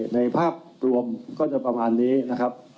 ในภาพรวมก็จะประมาณนี้นะครับ